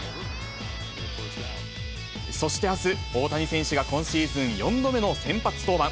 そしてあす、大谷選手が今シーズン４度目の先発登板。